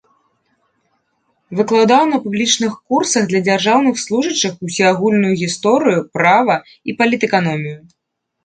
Выкладаў на публічных курсах для дзяржаўных служачых усеагульную гісторыю, права і палітэканомію.